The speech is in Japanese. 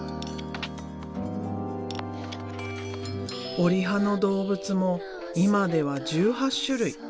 折り葉の動物も今では１８種類。